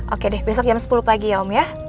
oke deh besok jam sepuluh pagi ya om ya